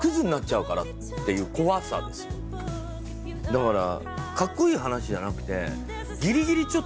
だから。